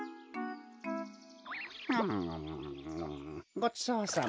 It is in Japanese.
ごちそうさま。